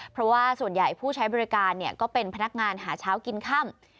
เพราะว่าส่วนใหญ่ผู้ใช้บริการก็เป็นพนักงานหาเช้ากินค่ำ